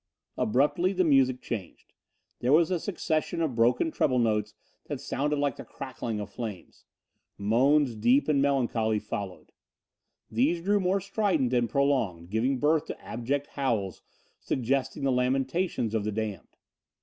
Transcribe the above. Abruptly the music changed. There was a succession of broken treble notes that sounded like the crackling of flames. Moans deep and melancholy followed. These grew more strident and prolonged, giving place to abject howls, suggesting the lamentations of the damned.